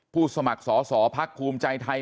สมัครสอสอพักภูมิใจไทย